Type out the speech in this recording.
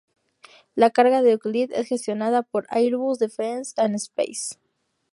La carga de Euclid es gestionada por Airbus Defence and Space.